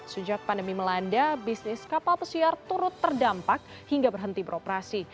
sejak pandemi melanda bisnis kapal pesiar turut terdampak hingga berhenti beroperasi